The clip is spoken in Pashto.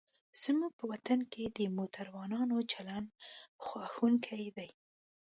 زموږ په وطن کې د موټروانانو چلند خواشینوونکی دی.